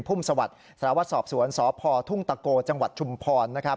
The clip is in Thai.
ภุ่มสวรรค์สรวจสอบสวนสพทุ่งตะโกจังหวัดชุมพร